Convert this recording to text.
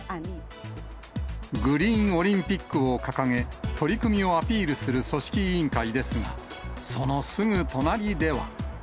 グリーン・オリンピックを掲げ、取り組みをアピールする組織委員会ですが、そのすぐ隣では。